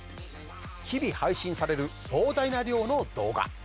日々配信される膨大な量の動画。